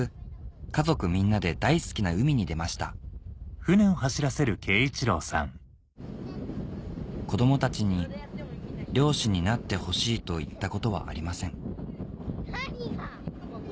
家族みんなで大好きな海に出ました子供たちに「漁師になってほしい」と言ったことはありません